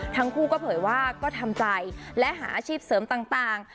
ทั้งคู่ก็เผยว่าก็ทำใจและหาอาชีพเสริมต่าง